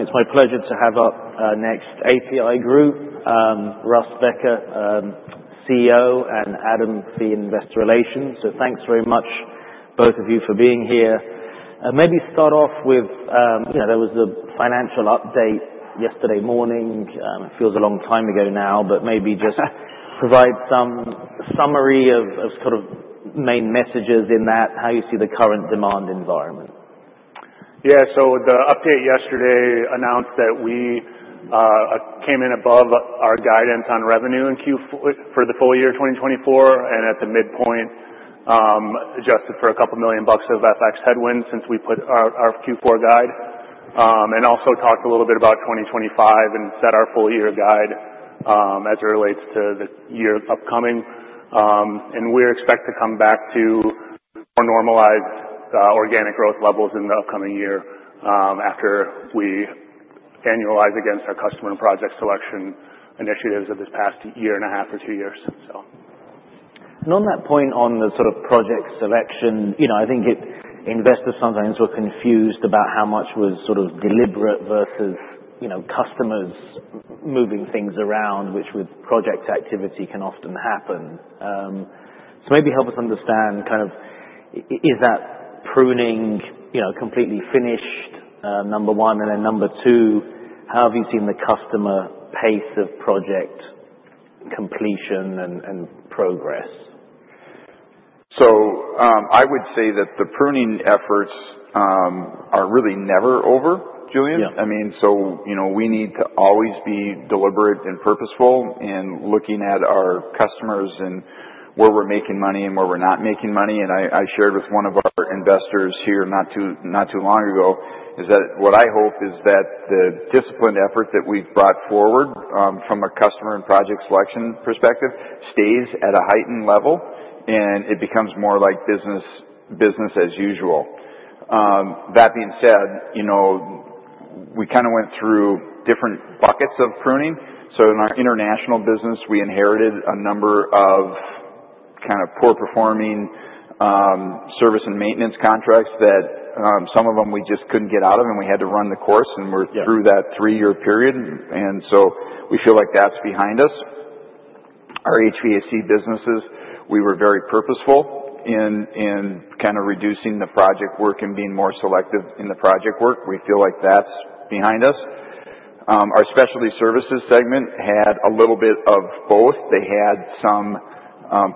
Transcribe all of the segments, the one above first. It's my pleasure to have up our next APi Group, Russ Becker, CEO, and Adam Fee, Investor Relations. So thanks very much, both of you, for being here. Maybe start off with, there was a financial update yesterday morning. It feels a long time ago now, but maybe just provide some summary of sort of main messages in that, how you see the current demand environment. Yeah, so the update yesterday announced that we came in above our guidance on revenue for the full year 2024 and at the midpoint adjusted for $2 million of FX headwinds since we put our Q4 guide, and also talked a little bit about 2025 and set our full year guide as it relates to the year upcoming, and we expect to come back to more normalized organic growth levels in the upcoming year after we annualize against our customer and project selection initiatives of this past year and a half or two years. On that point on the sort of project selection, I think investors sometimes were confused about how much was sort of deliberate versus customers moving things around, which with project activity can often happen. Maybe help us understand kind of is that pruning completely finished, number one, and then number two, how have you seen the customer pace of project completion and progress? I would say that the pruning efforts are really never over, Julian. I mean, we need to always be deliberate and purposeful in looking at our customers and where we're making money and where we're not making money. I shared with one of our investors here not too long ago is that what I hope is that the disciplined effort that we've brought forward from a customer and project selection perspective stays at a heightened level and it becomes more like business as usual. That being said, we kind of went through different buckets of pruning. In our international business, we inherited a number of kind of poor performing service and maintenance contracts that some of them we just couldn't get out of and we had to run the course and we're through that three-year period. We feel like that's behind us. Our HVAC businesses, we were very purposeful in kind of reducing the project work and being more selective in the project work. We feel like that's behind us. Our specialty services segment had a little bit of both. They had some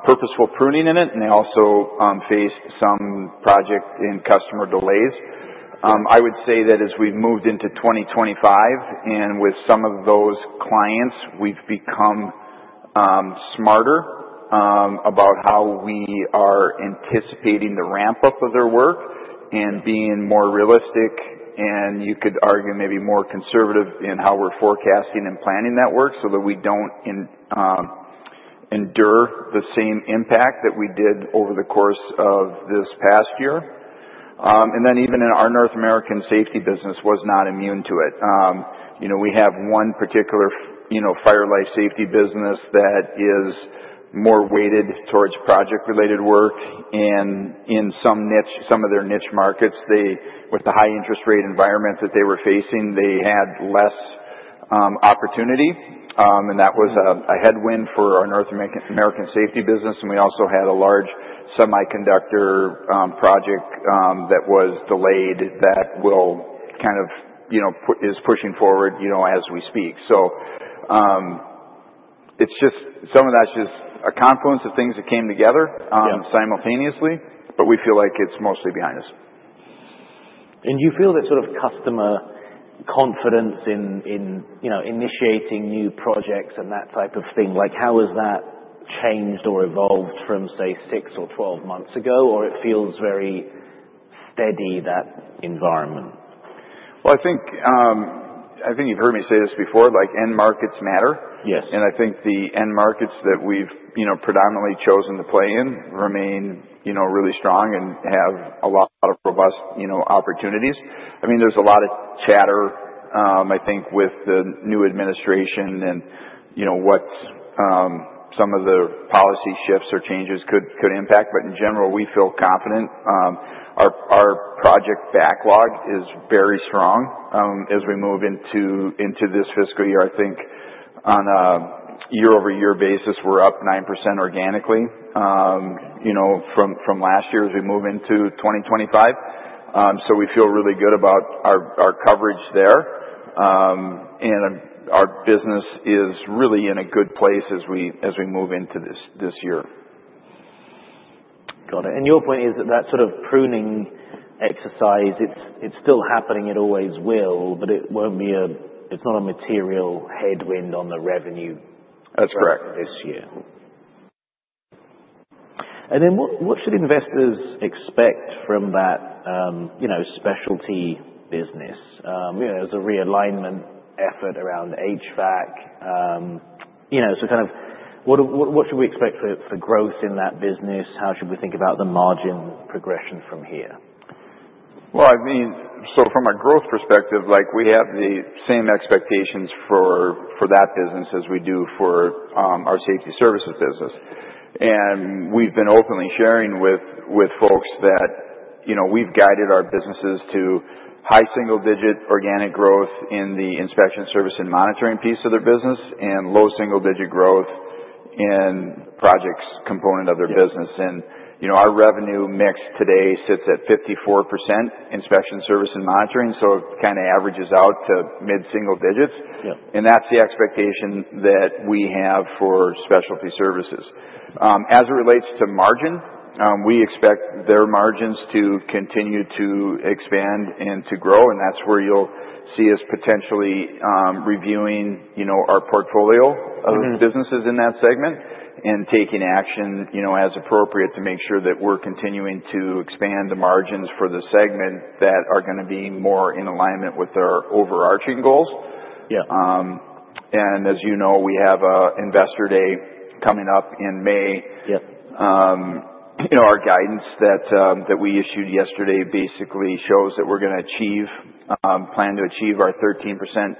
purposeful pruning in it and they also faced some project and customer delays. I would say that as we've moved into 2025 and with some of those clients, we've become smarter about how we are anticipating the ramp-up of their work and being more realistic and you could argue maybe more conservative in how we're forecasting and planning that work so that we don't endure the same impact that we did over the course of this past year, and then even in our North American safety business was not immune to it. We have one particular fire and life safety business that is more weighted towards project-related work and in some niche, some of their niche markets, with the high interest rate environment that they were facing, they had less opportunity and that was a headwind for our North American safety business. And we also had a large semiconductor project that was delayed that will kind of is pushing forward as we speak. So it's just some of that's just a confluence of things that came together simultaneously, but we feel like it's mostly behind us. Do you feel that sort of customer confidence in initiating new projects and that type of thing, like how has that changed or evolved from say six or 12 months ago or it feels very steady that environment? I think you've heard me say this before, like end markets matter. I think the end markets that we've predominantly chosen to play in remain really strong and have a lot of robust opportunities. I mean, there's a lot of chatter, I think, with the new administration and what some of the policy shifts or changes could impact, but in general, we feel confident. Our project backlog is very strong as we move into this fiscal year. I think on a year-over-year basis, we're up 9% organically from last year as we move into 2025. We feel really good about our coverage there and our business is really in a good place as we move into this year. Got it, and your point is that that sort of pruning exercise, it's still happening, it always will, but it won't be, it's not a material headwind on the revenue this year. That's correct. And then what should investors expect from that specialty business? There's a realignment effort around HVAC. So kind of what should we expect for growth in that business? How should we think about the margin progression from here? Well, I mean, so from a growth perspective, we have the same expectations for that business as we do for our safety services business. And we've been openly sharing with folks that we've guided our businesses to high single-digit organic growth in the inspection service and monitoring piece of their business and low single-digit growth in projects component of their business. And our revenue mix today sits at 54% inspection service and monitoring, so it kind of averages out to mid-single digits. And that's the expectation that we have for specialty services. As it relates to margin, we expect their margins to continue to expand and to grow, and that's where you'll see us potentially reviewing our portfolio of businesses in that segment and taking action as appropriate to make sure that we're continuing to expand the margins for the segment that are going to be more in alignment with our overarching goals. And as you know, we have Investor Day coming up in May. Our guidance that we issued yesterday basically shows that we're going to achieve, plan to achieve our 13%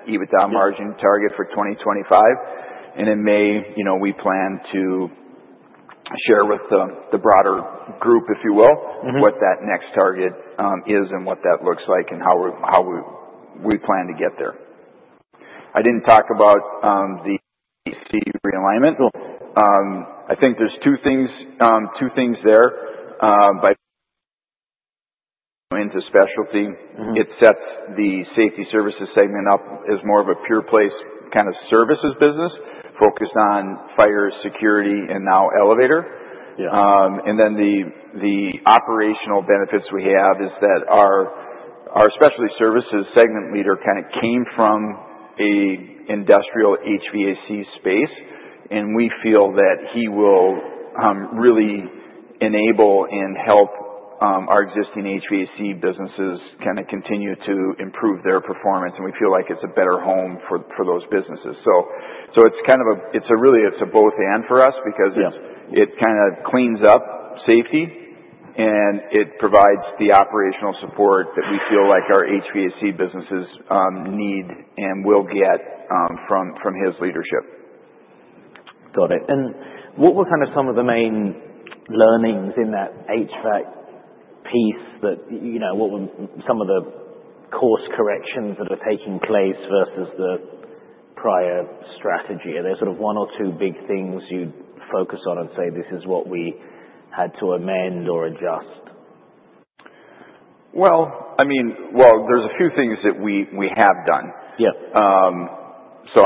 EBITDA margin target for 2025. And in May, we plan to share with the broader group, if you will, what that next target is and what that looks like and how we plan to get there. I didn't talk about the realignment. I think there's two things there. By going into specialty, it sets the safety services segment up as more of a pure-play kind of services business focused on fire and security and now elevator. And then the operational benefits we have is that our specialty services segment leader kind of came from an industrial HVAC space, and we feel that he will really enable and help our existing HVAC businesses kind of continue to improve their performance. And we feel like it's a better home for those businesses. So it's kind of a really both-and for us because it kind of cleans up safety and it provides the operational support that we feel like our HVAC businesses need and will get from his leadership. Got it. And what were kind of some of the main learnings in that HVAC piece? What were some of the course corrections that are taking place versus the prior strategy? Are there sort of one or two big things you'd focus on and say, "This is what we had to amend or adjust"? Well, I mean, there's a few things that we have done. So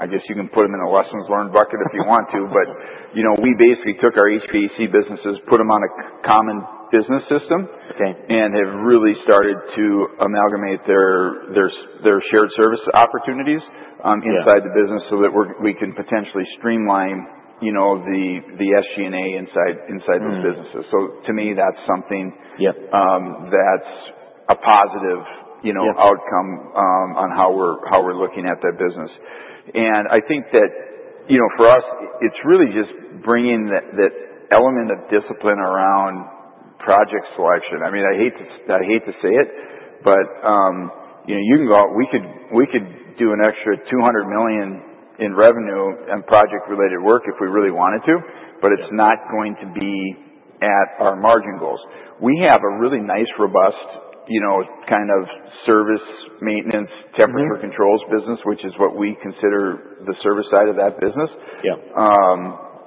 I guess you can put them in a lessons learned bucket if you want to, but we basically took our HVAC businesses, put them on a common business system, and have really started to amalgamate their shared service opportunities inside the business so that we can potentially streamline the SG&A inside those businesses. So to me, that's something that's a positive outcome on how we're looking at that business. And I think that for us, it's really just bringing that element of discipline around project selection. I mean, I hate to say it, but you can go, "We could do an extra $200 million in revenue and project-related work if we really wanted to, but it's not going to be at our margin goals." We have a really nice, robust kind of service, maintenance, temperature controls business, which is what we consider the service side of that business.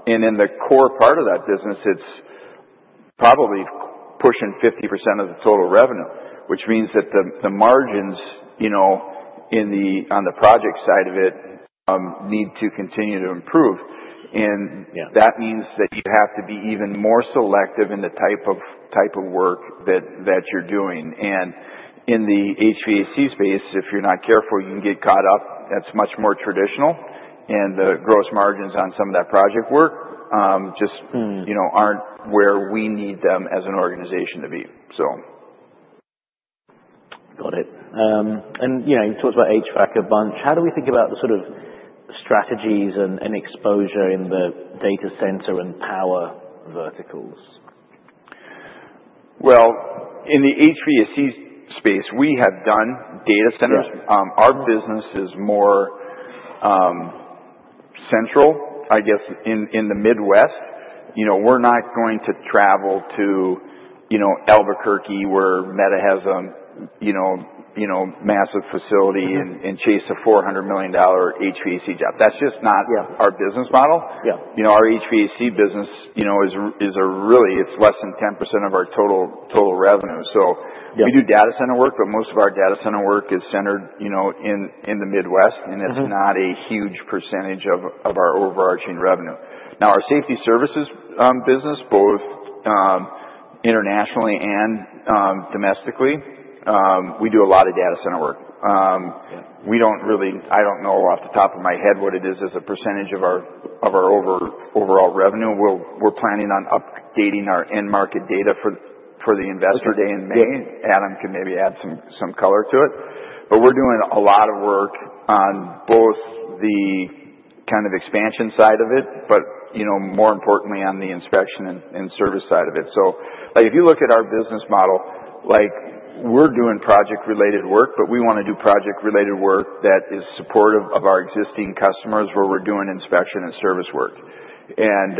And in the core part of that business, it's probably pushing 50% of the total revenue, which means that the margins on the project side of it need to continue to improve. And that means that you have to be even more selective in the type of work that you're doing. And in the HVAC space, if you're not careful, you can get caught up. That's much more traditional. And the gross margins on some of that project work just aren't where we need them as an organization to be, so. Got it. And you talked about HVAC a bunch. How do we think about the sort of strategies and exposure in the data center and power verticals? In the HVAC space, we have done data centers. Our business is more central, I guess, in the Midwest. We're not going to travel to Albuquerque, where Meta has a massive facility and chase a $400 million HVAC job. That's just not our business model. Our HVAC business is really less than 10% of our total revenue. We do data center work, but most of our data center work is centered in the Midwest, and it's not a huge percentage of our overarching revenue. Now, our safety services business, both internationally and domestically, we do a lot of data center work. I don't know off the top of my head what it is as a percentage of our overall revenue. We're planning on updating our end market data for the investor day in May. Adam can maybe add some color to it. But we're doing a lot of work on both the kind of expansion side of it, but more importantly, on the inspection and service side of it. So if you look at our business model, we're doing project-related work, but we want to do project-related work that is supportive of our existing customers where we're doing inspection and service work. And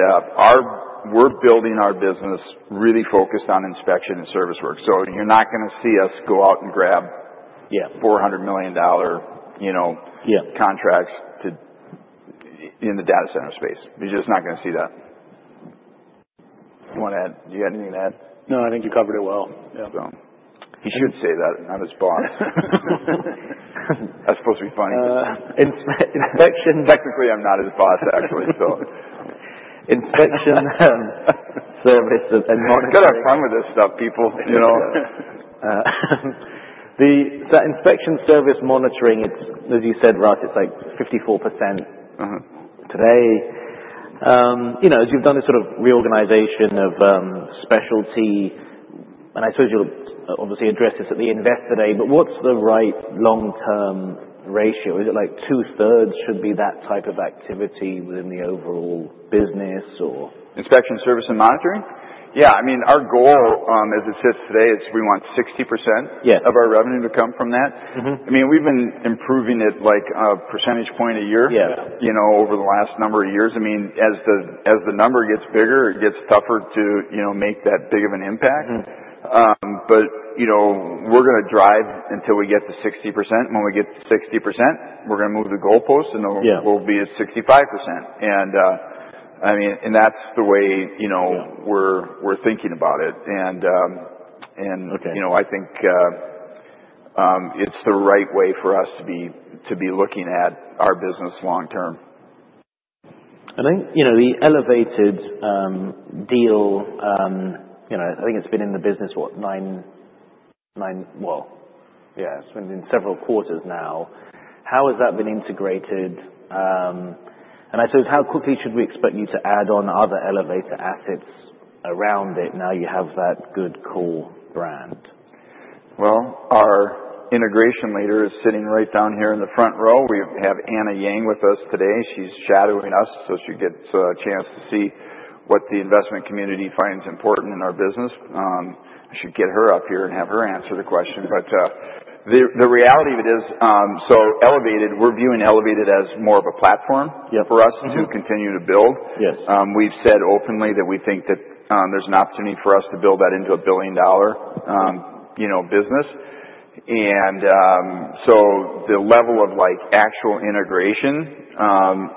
we're building our business really focused on inspection and service work. So you're not going to see us go out and grab $400 million contracts in the data center space. You're just not going to see that. Do you want to add? Do you have anything to add? No, I think you covered it well. Yeah. He should say that. I'm his boss. That's supposed to be funny. Inspection. Technically, I'm not his boss, actually, so. Inspection service and monitoring. I've got to have fun with this stuff, people. The inspection service monitoring, as you said, Russ, it's like 54% today. As you've done this sort of reorganization of specialty, and I suppose you'll obviously address this at the Investor Day, but what's the right long-term ratio? Is it like two-thirds should be that type of activity within the overall business or? Inspection service and monitoring? Yeah. I mean, our goal as it sits today is we want 60% of our revenue to come from that. I mean, we've been improving it like a percentage point a year over the last number of years. I mean, as the number gets bigger, it gets tougher to make that big of an impact. But we're going to drive until we get to 60%. When we get to 60%, we're going to move the goalpost and we'll be at 65%. And I mean, and that's the way we're thinking about it. And I think it's the right way for us to be looking at our business long-term. The Elevated deal, I think it's been in the business. It's been in several quarters now. How has that been integrated? And I suppose, how quickly should we expect you to add on other elevator assets around it now you have that good core brand? Our integration leader is sitting right down here in the front row. We have Anna Yang with us today. She's shadowing us, so she gets a chance to see what the investment community finds important in our business. I should get her up here and have her answer the question. But the reality of it is, so Elevated, we're viewing Elevated as more of a platform for us to continue to build. We've said openly that we think that there's an opportunity for us to build that into a billion-dollar business. And so the level of actual integration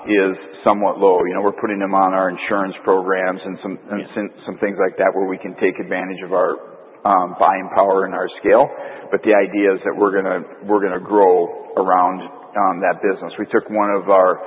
is somewhat low. We're putting them on our insurance programs and some things like that where we can take advantage of our buying power and our scale. But the idea is that we're going to grow around that business. We took one of our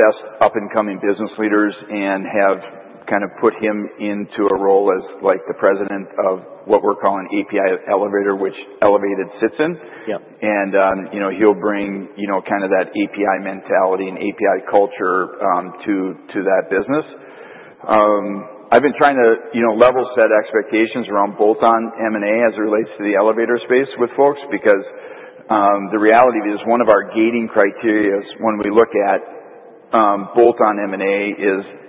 best up-and-coming business leaders and have kind of put him into a role as the president of what we're calling APi Elevator, which Elevated sits in. And he'll bring kind of that APi mentality and APi culture to that business. I've been trying to level set expectations around bolt-on M&A as it relates to the elevator space with folks because the reality of it is one of our gating criteria when we look at bolt-on M&A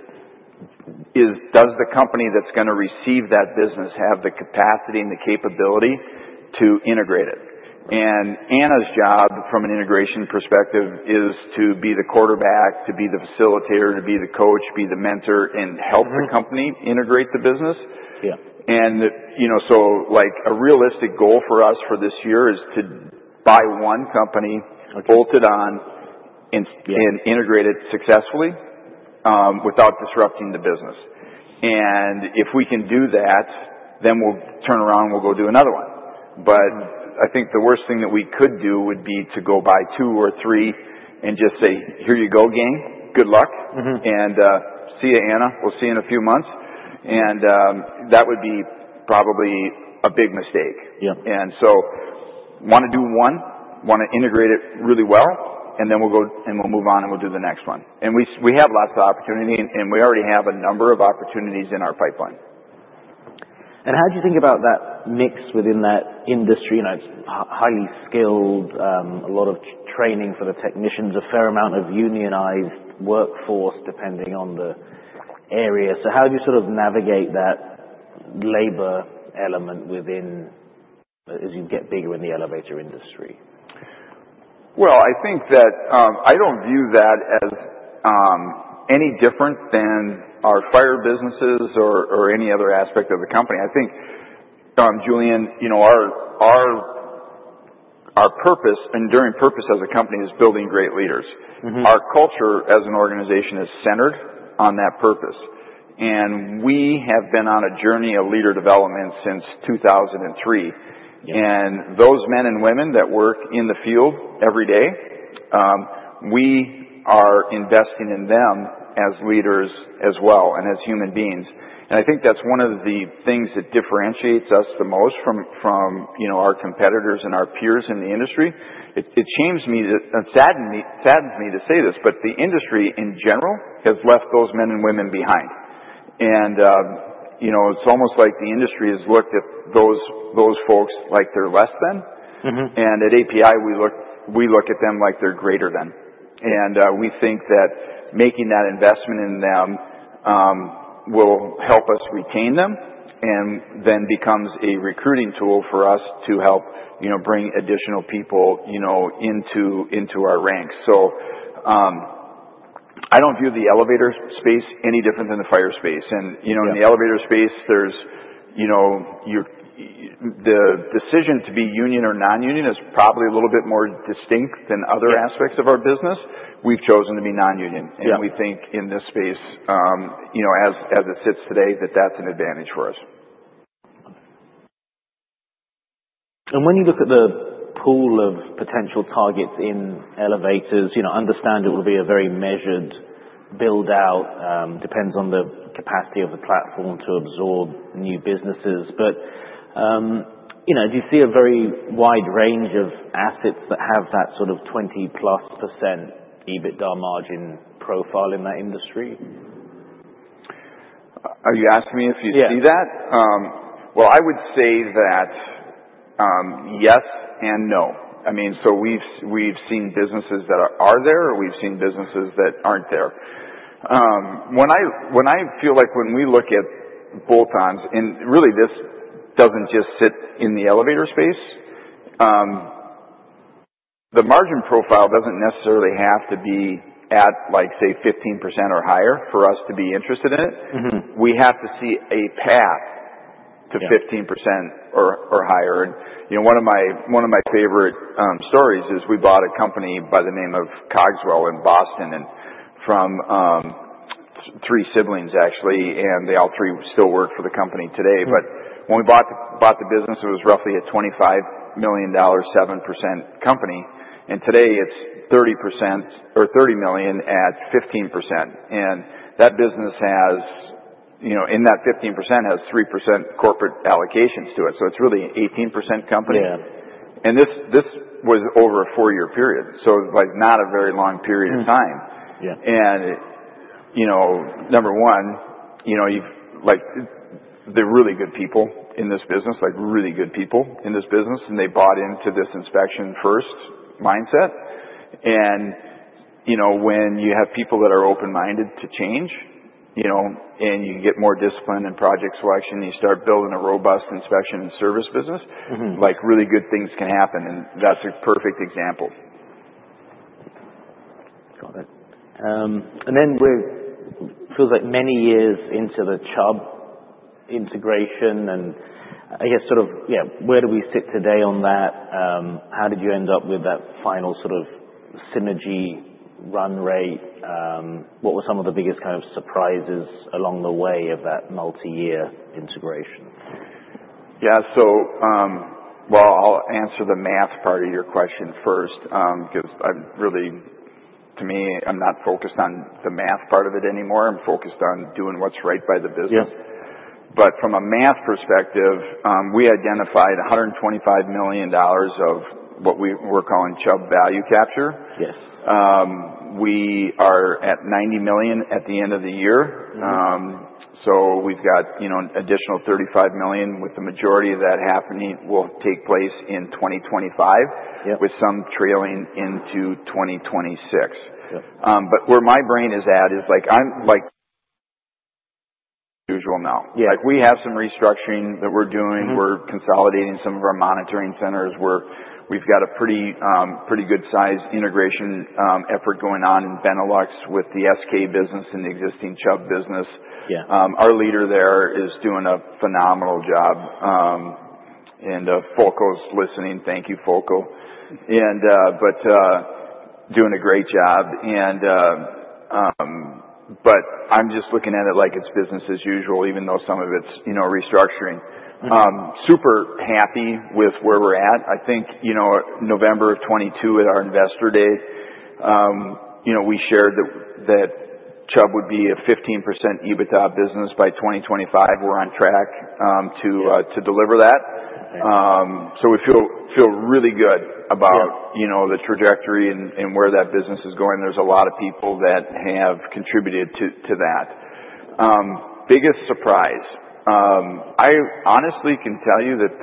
is, does the company that's going to receive that business have the capacity and the capability to integrate it? And Anna's job from an integration perspective is to be the quarterback, to be the facilitator, to be the coach, be the mentor, and help the company integrate the business. And so a realistic goal for us for this year is to buy one company, bolt it on, and integrate it successfully without disrupting the business. And if we can do that, then we'll turn around and we'll go do another one. But I think the worst thing that we could do would be to go buy two or three and just say, "Here you go, gang. Good luck." And see you, Anna. We'll see you in a few months. And that would be probably a big mistake. And so want to do one, want to integrate it really well, and then we'll go and we'll move on and we'll do the next one. And we have lots of opportunity, and we already have a number of opportunities in our pipeline. And how do you think about that mix within that industry? It's highly skilled, a lot of training for the technicians, a fair amount of unionized workforce depending on the area. So how do you sort of navigate that labor element as you get bigger in the elevator industry? I think that I don't view that as any different than our fire businesses or any other aspect of the company. I think, Julian, our purpose, enduring purpose as a company is building great leaders. Our culture as an organization is centered on that purpose. We have been on a journey of leader development since 2003. Those men and women that work in the field every day, we are investing in them as leaders as well and as human beings. I think that's one of the things that differentiates us the most from our competitors and our peers in the industry. It saddens me to say this, but the industry in general has left those men and women behind. It's almost like the industry has looked at those folks like they're less than. At APi, we look at them like they're greater than. And we think that making that investment in them will help us retain them and then becomes a recruiting tool for us to help bring additional people into our ranks. So I don't view the elevator space any different than the fire space. And in the elevator space, the decision to be union or non-union is probably a little bit more distinct than other aspects of our business. We've chosen to be non-union. And we think in this space, as it sits today, that that's an advantage for us. And when you look at the pool of potential targets in elevators, understand it will be a very measured build-out. Depends on the capacity of the platform to absorb new businesses. But do you see a very wide range of assets that have that sort of 20+% EBITDA margin profile in that industry? Are you asking me if you see that? Yeah. I would say that yes and no. I mean, so we've seen businesses that are there, or we've seen businesses that aren't there. When we look at bolt-ons, and really this doesn't just sit in the elevator space, the margin profile doesn't necessarily have to be at, say, 15% or higher for us to be interested in it. We have to see a path to 15% or higher. And one of my favorite stories is we bought a company by the name of Cogswell in Boston from three siblings, actually. And they all three still work for the company today. But when we bought the business, it was roughly a $25 million, 7% company. And today it's $30 million at 15%. And that business has, in that 15%, has 3% corporate allocations to it. So it's really an 18% company. And this was over a four-year period. So it was not a very long period of time. And number one, they're really good people in this business, really good people in this business, and they bought into this inspection-first mindset. And when you have people that are open-minded to change and you get more discipline and project selection and you start building a robust inspection and service business, really good things can happen. And that's a perfect example. Got it. And then it feels like many years into the Chubb integration. And I guess sort of, yeah, where do we sit today on that? How did you end up with that final sort of synergy run rate? What were some of the biggest kind of surprises along the way of that multi-year integration? Yeah. Well, I'll answer the math part of your question first because really, to me, I'm not focused on the math part of it anymore. I'm focused on doing what's right by the business. But from a math perspective, we identified $125 million of what we were calling Chubb value capture. We are at $90 million at the end of the year. So we've got an additional $35 million, with the majority of that happening will take place in 2025, with some trailing into 2026. But where my brain is at is I'm like usual now. We have some restructuring that we're doing. We're consolidating some of our monitoring centers. We've got a pretty good-sized integration effort going on in Benelux with the SK business and the existing Chubb business. Our leader there is doing a phenomenal job and Folko, listening. Thank you, Folko. But doing a great job. But I'm just looking at it like it's business as usual, even though some of it's restructuring. Super happy with where we're at. I think November of 2022 with our investor day, we shared that Chubb would be a 15% EBITDA business by 2025. We're on track to deliver that. So we feel really good about the trajectory and where that business is going. There's a lot of people that have contributed to that. Biggest surprise. I honestly can tell you that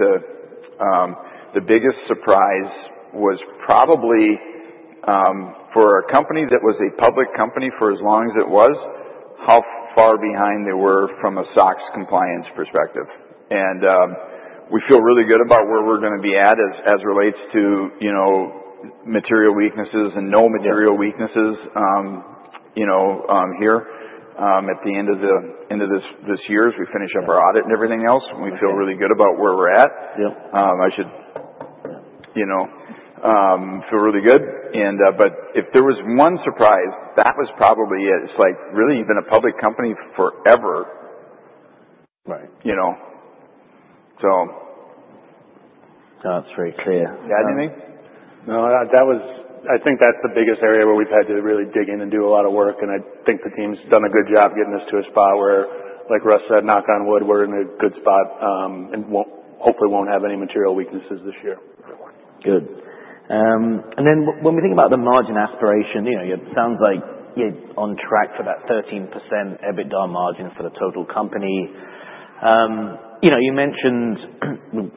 the biggest surprise was probably for a company that was a public company for as long as it was, how far behind they were from a SOX compliance perspective. And we feel really good about where we're going to be at as it relates to material weaknesses and no material weaknesses here. At the end of this year, as we finish up our audit and everything else, we feel really good about where we're at. I should feel really good. But if there was one surprise, that was probably it. It's like really been a public company forever. So. That's very clear. Yeah. Do you think? No, I think that's the biggest area where we've had to really dig in and do a lot of work, and I think the team's done a good job getting us to a spot where, like Russ said, knock on wood, we're in a good spot and hopefully won't have any material weaknesses this year. Good. And then when we think about the margin aspiration, it sounds like you're on track for that 13% EBITDA margin for the total company. You mentioned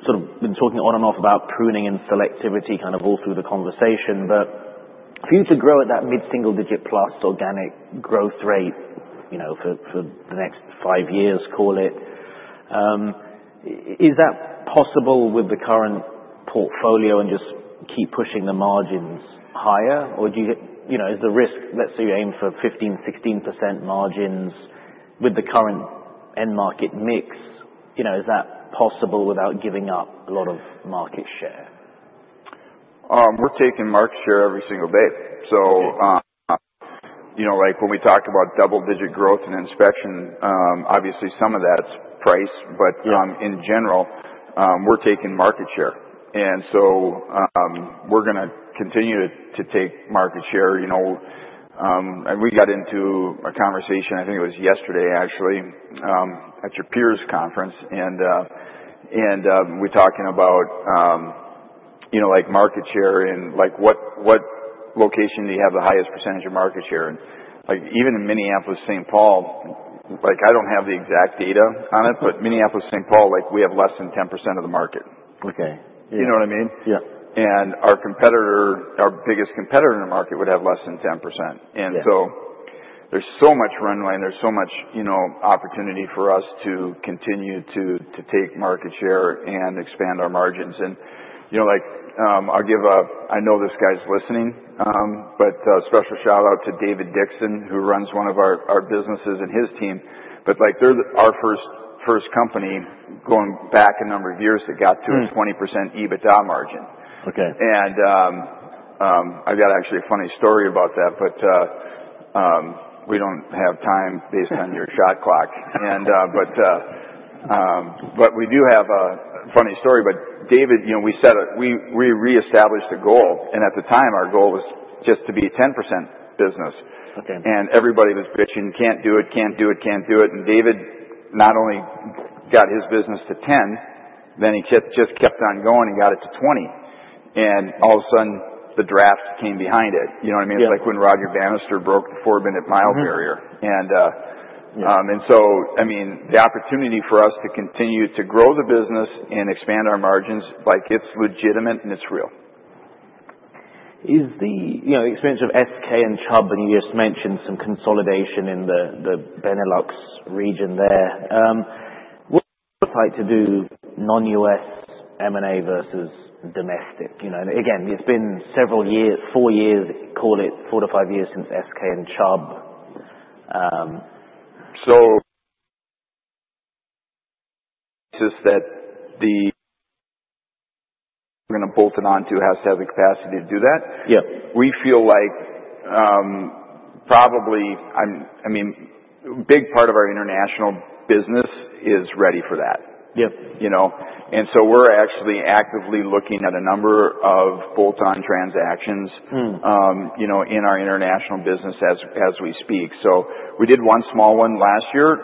sort of been talking on and off about pruning and selectivity kind of all through the conversation. But for you to grow at that mid-single-digit plus organic growth rate for the next five years, call it, is that possible with the current portfolio and just keep pushing the margins higher? Or is the risk, let's say you aim for 15%-16% margins with the current end market mix, is that possible without giving up a lot of market share? We're taking market share every single day. So when we talk about double-digit growth and inspection, obviously some of that's price. But in general, we're taking market share. And so we're going to continue to take market share. And we got into a conversation, I think it was yesterday actually, at your peers conference. And we're talking about market share and what location do you have the highest percentage of market share? And even in Minneapolis, Saint Paul, I don't have the exact data on it, but Minneapolis, Saint Paul, we have less than 10% of the market. You know what I mean? And our biggest competitor in the market would have less than 10%. And so there's so much runway and there's so much opportunity for us to continue to take market share and expand our margins. And I'll give. I know this guy's listening, but special shout out to David Dixon, who runs one of our businesses and his team. But they're our first company going back a number of years that got to a 20% EBITDA margin. And I've got actually a funny story about that, but we don't have time based on your shot clock. But we do have a funny story. But David, we reestablished a goal. And at the time, our goal was just to be a 10% business. And everybody was bitching, "Can't do it, can't do it, can't do it." And David not only got his business to 10%, then he just kept on going and got it to 20%. And all of a sudden, the draft came behind it. You know what I mean? It's like when Roger Bannister broke the four-minute mile barrier. I mean, the opportunity for us to continue to grow the business and expand our margins. It's legitimate and it's real. Is the expansion of SK and Chubb, and you just mentioned some consolidation in the Benelux region there? What would it look like to do non-U.S. M&A versus domestic? Again, it's been several years, four years, call it four to five years since SK and Chubb. So, the platform we're going to bolt it onto has to have the capacity to do that. We feel like probably, I mean, a big part of our international business is ready for that. And so we're actually actively looking at a number of bolt-on transactions in our international business as we speak. So we did one small one last year,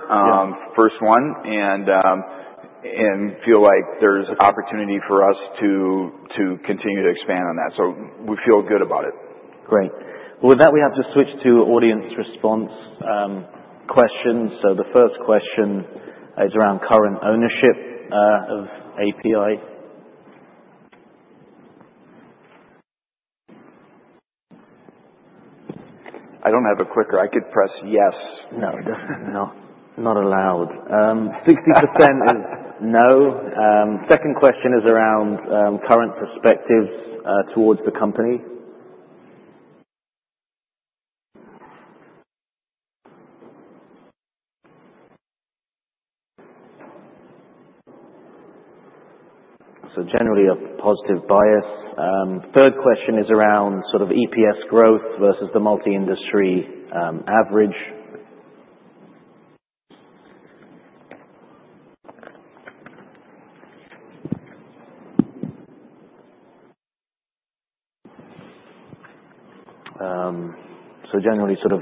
first one, and feel like there's opportunity for us to continue to expand on that. So we feel good about it. Great. With that, we have to switch to audience response questions, so the first question is around current ownership of APi. I don't have a clicker. I could press yes. No, not allowed. 60% is no. Second question is around current perspectives towards the company, so generally a positive bias. Third question is around sort of EPS growth versus the multi-industry average, so generally sort of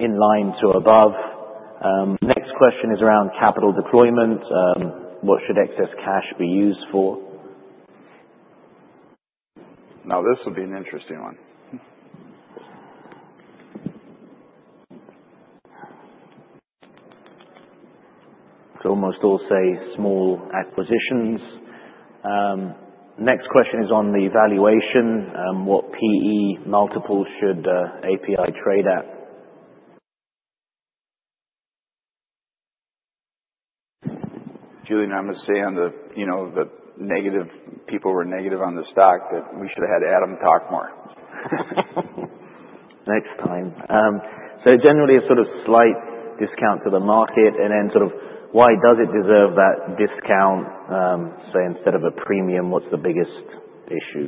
in line to above. Next question is around capital deployment. What should excess cash be used for? Now, this will be an interesting one. So almost all say small acquisitions. Next question is on the valuation. What PE multiple should APi trade at? Julian, I'm going to say on the negative, people were negative on the stock that we should have had Adam talk more. Next time. So generally, a sort of slight discount to the market. And then, sort of, why does it deserve that discount? Say, instead of a premium, what's the biggest issue?